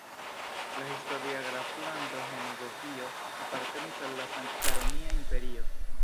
La historia graflando Henegovio apartenis al la Sankta Romia Imperio.